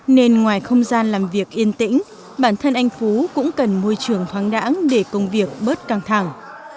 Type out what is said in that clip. nên ngoài không gian làm việc yên tĩnh bản thân anh phú cũng cần môi trường thoáng đáng để công việc bớt căng thẳng